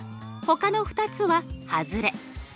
ほかの２つは外れ。